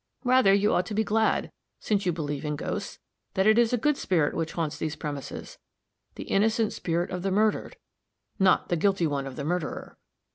Rather you ought to be glad, since you believe in ghosts, that it is a good spirit which haunts these premises the innocent spirit of the murdered, not the guilty one of the murderer."